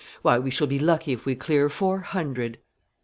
Why, we shall be lucky if we clear four hundred!"